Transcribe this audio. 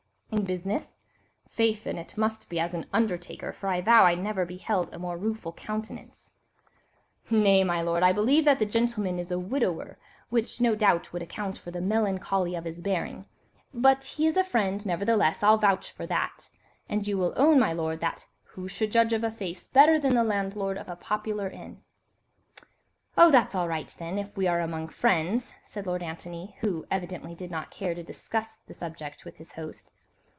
"In business? Faith, then, it must be as an undertaker, for I vow I never beheld a more rueful countenance." "Nay, my lord, I believe that the gentleman is a widower, which no doubt would account for the melancholy of his bearing—but he is a friend, nevertheless, I'll vouch for that—and you will own, my lord, that who should judge of a face better than the landlord of a popular inn—" "Oh, that's all right, then, if we are among friends," said Lord Antony, who evidently did not care to discuss the subject with his host.